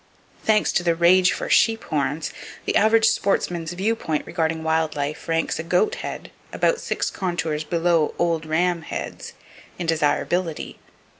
Thanks to the rage for sheep horns, the average sportsman's view point regarding wild life ranks a goat head about six contours below "old ram" heads, in desirability.